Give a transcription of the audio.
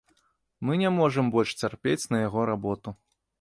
Мы не можам больш цярпець на яго работу.